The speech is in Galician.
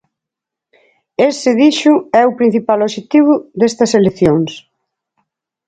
Ese, dixo, é o principal obxectivo destas eleccións.